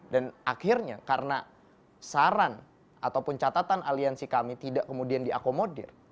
dan akhirnya karena saran ataupun catatan aliansi kami tidak kemudian diakomodir